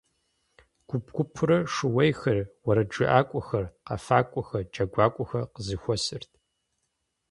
Гуп-гупурэ шууейхэр, уэрэджыӀакӀуэхэр, къэфакӀуэхэр, джэгуакӀуэхэр къызэхуэсырт.